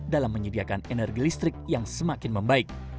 dan penyediakan energi listrik yang semakin membaik